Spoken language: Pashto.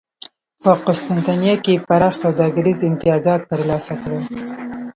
په قسطنطنیه کې یې پراخ سوداګریز امتیازات ترلاسه کړل